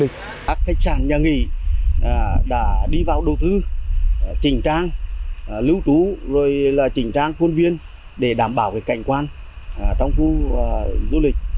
các khách sạn nhà nghỉ đã đi vào đầu tư chỉnh trang lưu trú rồi là chỉnh trang khuôn viên để đảm bảo cảnh quan trong khu du lịch